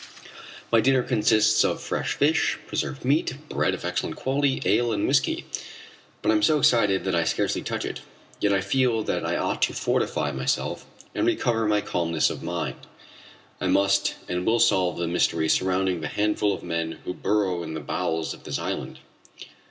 My dinner consists of fresh fish, preserved meat, bread of excellent quality, ale and whisky; but I am so excited that I scarcely touch it. Yet I feel that I ought to fortify myself and recover my calmness of mind. I must and will solve the mystery surrounding the handful of men who burrow in the bowels of this island.